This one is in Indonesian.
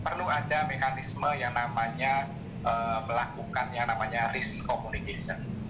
perlu ada mekanisme yang namanya melakukan yang namanya risk communication